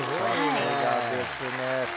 さすがですね。